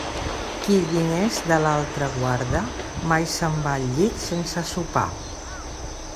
Qui diners d'altre guarda, mai se'n va al llit sense sopar.